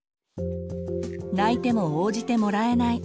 泣いても応じてもらえない。